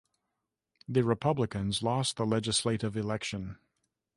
The Republicans lost the legislative election.